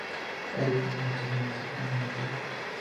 Eric es un asteroide cercano a la Tierra.